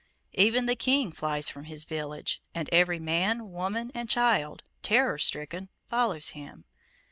Even the King flies from his village, and every man, woman, and child, terror stricken, follows him.